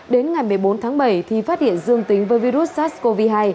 đến ngày một mươi bốn tháng bảy thì phát hiện dương tính với virus sars cov hai